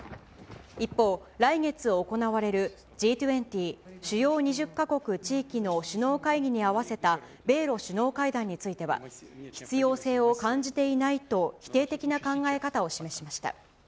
一方、来月行われるＧ２０・主要２０か国・地域の首脳会議に合わせた米ロ首脳会談については、必要性を感じていないと、否定的な考え方を示しました。